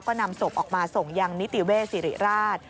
ก็นำศพออกมาส่งยังนิติเวศสิริราช